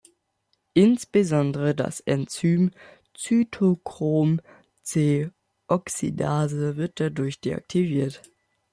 Insbesondere das Enzym Cytochrom-c-Oxidase wird dadurch deaktiviert.